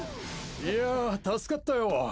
いやぁ助かったよ。